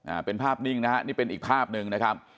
อ่าเป็นภาพนิ่งนะฮะนี่เป็นอีกภาพหนึ่งนะครับ